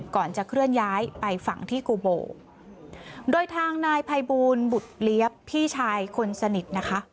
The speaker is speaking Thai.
ก่อนจะเคลื่อนย้ายไปฝั่งที่กูโบโดยทางนายภัยบูลบุตรเลี้ยบพี่ชายคนสนิทนะคะ